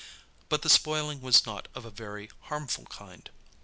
But the spoiling was not of a very harmful kind.